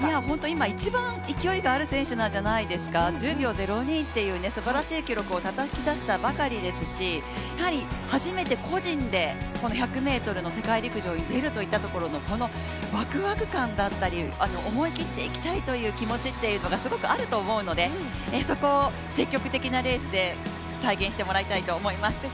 今、一番勢いがある選手なんじゃないでしょうか、１０秒０２というすばらしい記録をたたき出したばかりですし、初めて個人で１００ｍの世界陸上に出るといったところのこのワクワク感だったり、思い切っていきたいという気持ちがすごくあると思うのでそこを積極的なレースで体現してもらいたいと思います。